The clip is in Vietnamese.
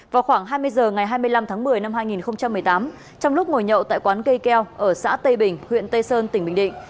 vào khoảng hai mươi h ngày hai mươi năm tháng một mươi năm hai nghìn một mươi tám trong lúc ngồi nhậu tại quán cây keo ở xã tây bình huyện tây sơn tỉnh bình định